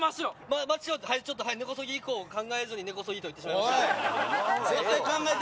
ちょっと根こそぎ以降考えずに根こそぎと言ってしまいました。